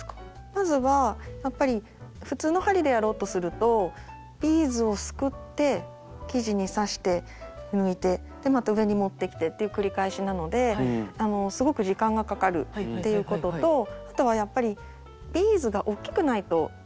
まずはやっぱり普通の針でやろうとするとビーズをすくって生地に刺して抜いてで上にまた持ってきてっていう繰り返しなのですごく時間がかかるっていうこととあとはやっぱりビーズがおっきくないとできないです。